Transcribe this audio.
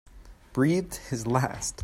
Breathed his last